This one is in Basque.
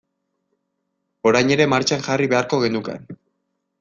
Orain ere martxan jarri beharko genuke.